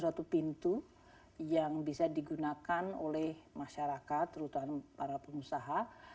sehingga pengampunan pajak ini diharapkan merupakan suatu pintu yang bisa digunakan oleh masyarakat terutama para pengusaha